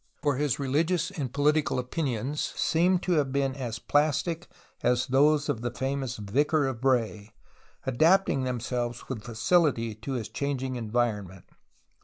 For his religious and political opinions seem to have been as plastic as those of the famous N^icar of Bray, adapting themselves with facility to his changing environment.